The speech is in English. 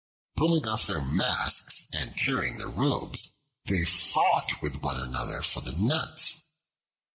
Pulling off their masks and tearing their robes, they fought with one another for the nuts.